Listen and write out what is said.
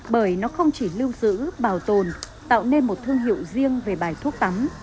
bởi nó không chỉ lưu giữ bảo tồn tạo nên một thương hiệu riêng về bài thuốc tắm